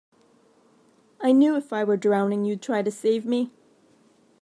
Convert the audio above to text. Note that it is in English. I knew if I were drowning you'd try to save me.